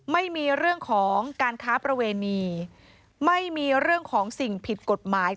ไม่มีเรื่องของการค้าประเวณีไม่มีเรื่องของสิ่งผิดกฎหมาย